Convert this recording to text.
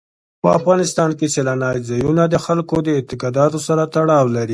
په افغانستان کې سیلانی ځایونه د خلکو د اعتقاداتو سره تړاو لري.